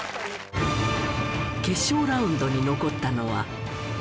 決勝ラウンドに残ったのは。